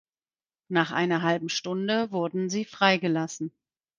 Nach einer halben Stunde wurden sie freigelassen.